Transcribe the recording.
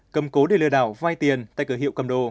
cầm cố để lừa đảo vay tiền tại cửa hiệu cầm đồ